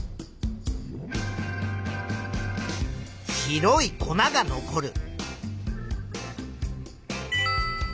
白い粉が残る。